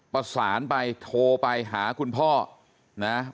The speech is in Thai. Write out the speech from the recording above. ประสานไปโทรไปหาคุณพ่อนะ